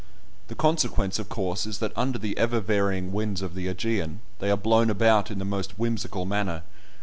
The consequence of course is that under the ever varying winds of the Ægean they are blown about in the most whimsical manner.